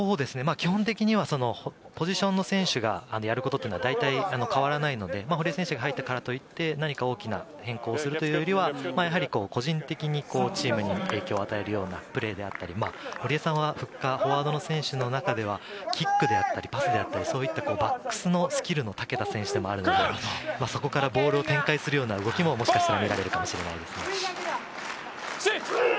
基本的にはポジションの選手がやることっていうのは大体変わらないので、堀江選手が入ったからといって何か大きな変更するというよりは、個人的にチームに影響を与えるようなプレーであったり、堀江さんはフッカー、フォワードの選手の中ではキックであったりパスであったり、バックスのスキルが長けた選手でもあるので、そこからボールを展開するような動きも見られるかもしれないですね。